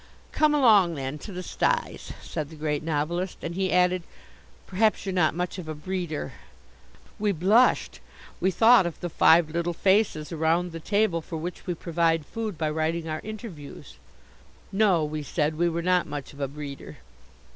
"Come along, then, to the styes," said the Great Novelist, and he added, "Perhaps you're not much of a breeder." We blushed. We thought of the five little faces around the table for which we provide food by writing our interviews. "No," we said, "we were not much of a breeder."